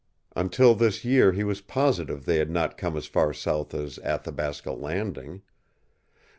Until this year he was positive they had not come as far south as Athabasca Landing.